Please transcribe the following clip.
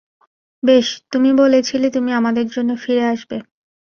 বেশ, তুমি বলেছিলে তুমি আমাদের জন্য ফিরে আসবে।